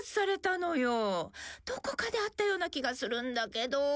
どこかで会ったような気がするんだけど。